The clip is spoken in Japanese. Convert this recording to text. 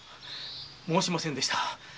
申しませんでした。